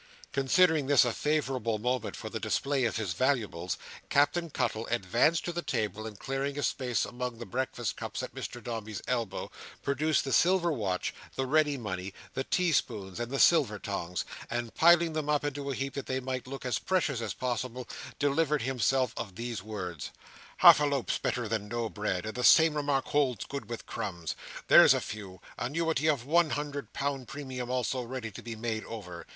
Considering this a favourable moment for the display of the valuables, Captain Cuttle advanced to the table; and clearing a space among the breakfast cups at Mr Dombey's elbow, produced the silver watch, the ready money, the teaspoons, and the sugar tongs; and piling them up into a heap that they might look as precious as possible, delivered himself of these words: "Half a loaf's better than no bread, and the same remark holds good with crumbs. There's a few. Annuity of one hundred pound premium also ready to be made over.